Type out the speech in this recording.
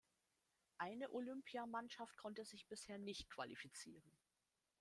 Eine Olympiamannschaft konnte sich bisher nicht qualifizieren.